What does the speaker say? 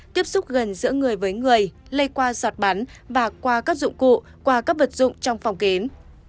tiếp xúc gần giữa người với người lây qua giọt bắn và qua các dụng cụ qua các vật dụng trong phòng kín